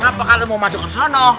kenapa kalian mau masuk ke sana